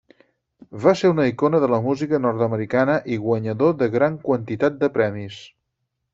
Va ser una icona de la música nord-americana i guanyador de gran quantitat de premis.